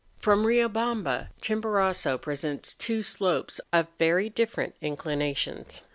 P'rom Riobamba, Chimborazo presents two slopes of very different inclinations.